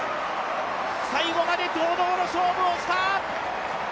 最後まで堂々の勝負をした！